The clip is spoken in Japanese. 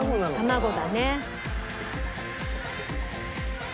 卵だね。